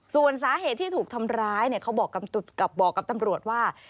ส่วนสาเหตุที่ถูกทำร้ายเขาบอกกับตำรวจว่า